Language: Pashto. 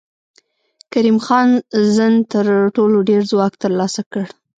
کریم خان زند تر ټولو ډېر ځواک تر لاسه کړ.